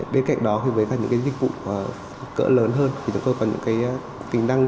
bên cạnh đó thì với các những dịch vụ cỡ lớn hơn thì chúng tôi có những tính đăng